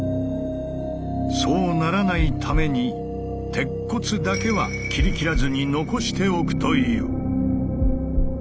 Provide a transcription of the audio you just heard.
そうならないために鉄骨だけは切りきらずに残しておくという。